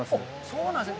そうなんですね。